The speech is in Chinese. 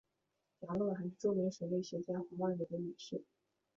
杨乐还是著名水利专家黄万里的女婿。